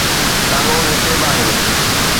قانون هتي به آهي.